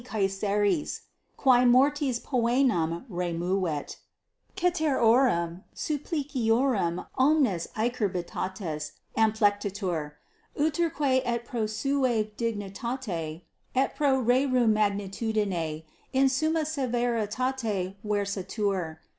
Caesaris, qui mortis poenam removet, ceterorum suppliciorum omnes acerbitates amplectitur. Uterque et pro sua dignitate et pro rerum magnitudine in summa severitate versatur.